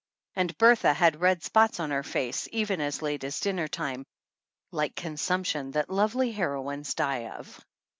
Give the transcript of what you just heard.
And Bertha had red spots on her face, even as late as dinner time, like consumption that lovely heroines die of.